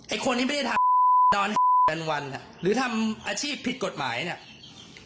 ไอ้คนที่ไม่ได้ทานนอนแผ่นวันหรือทำอาชีพผิดกฎหมายเนี่ย